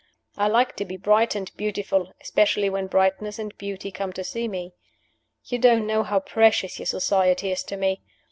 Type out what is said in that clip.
I like to be bright and I beautiful, especially when brightness and beauty come to see me. You don't know how precious your society is to me.